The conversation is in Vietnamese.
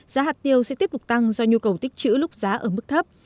giá hạt tiêu sẽ tiếp tục tăng do nhu cầu tích chữ lúc giá ở mức thấp